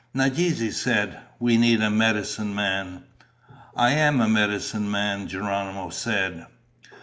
Nadeze said, "We need a medicine man." "I am a medicine man," Geronimo said.